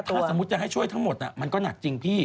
ถ้าสมมุติจะให้ช่วยทั้งหมดมันก็หนักจริงพี่